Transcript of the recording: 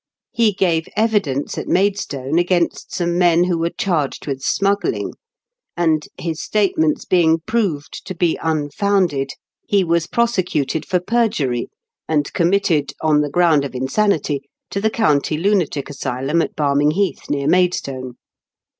He gave evidence at Maidstone against some men who were charged with smuggling; and, his statements being proved to be unfounded, he was prosecuted 144 IN KENT WITH CHABLE8 DICKENS. for perjury, and committed, on the ground of insanity, to the county lunatic asylum at Barming Heath, near Maidstone.